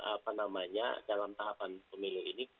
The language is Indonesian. apa namanya dalam tahapan pemilu ini